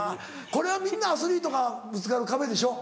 これはみんなアスリートがぶつかる壁でしょ？